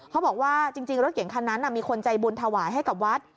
เขาบอกว่าจริงรถเก่งคันนั้นมีคนใจบุญถวายให้กับวัด